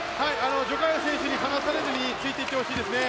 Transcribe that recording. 徐嘉余選手に離されずについていってほしいですね。